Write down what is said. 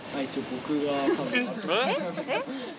えっ。